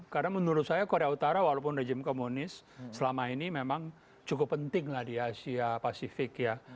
karena menurut saya korea utara walaupun rejim komunis selama ini memang cukup penting lah di asia pasifik ya